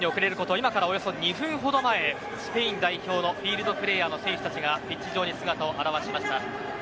今からおよそ２分ほど前スペイン代表のフィールドプレーヤーの選手たちがピッチ上に姿を現しました。